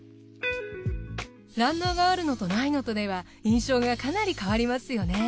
ランナーがあるのとないのとでは印象がかなり変わりますよね。